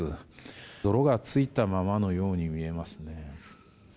泥がついたままのように見えますね。